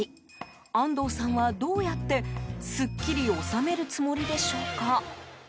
安東さんはどうやって、すっきり収めるつもりでしょうか。